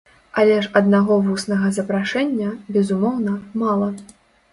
Але ж аднаго вуснага запрашэння, безумоўна, мала.